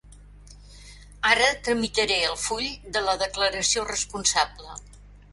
Ara tramitaré el full de la declaració responsable.